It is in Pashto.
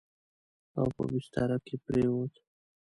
او په بستره کې پرېووت.